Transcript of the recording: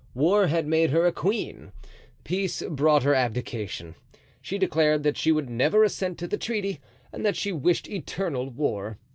War had made her a queen; peace brought her abdication. She declared that she would never assent to the treaty and that she wished eternal war.